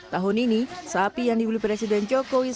tahun ini sapi yang dibeli presiden joko widodo